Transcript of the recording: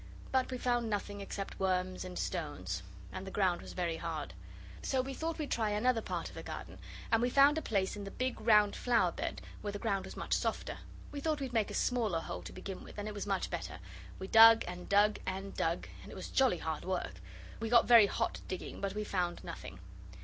But we found nothing except worms and stones and the ground was very hard. So we thought we'd try another part of the garden, and we found a place in the big round flower bed, where the ground was much softer. We thought we'd make a smaller hole to begin with, and it was much better. We dug and dug and dug, and it was jolly hard work! We got very hot digging, but we found nothing.